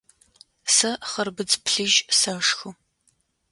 Сэ хъырбыдз плъыжь сэшхы.